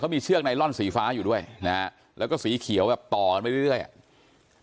มีเชือกไนลอนสีฟ้าอยู่ด้วยนะฮะแล้วก็สีเขียวแบบต่อกันไปเรื่อยอ่ะ